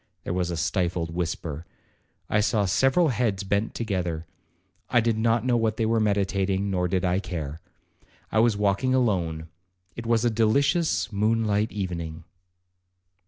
There was a stifled whisper. I saw several heads bent together. I did not know what they were meditating, nor did I care. I was walking alone,—it was a delicious moon light evening.